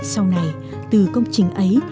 sau này từ công trình ấy